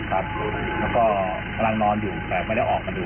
แล้วก็กำลังนอนอยู่แต่ไม่ได้ออกมาดู